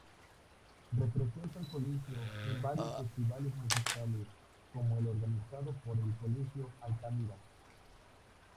Representó al Colegio en varios festivales musicales como el organizado por el Colegio Altamira.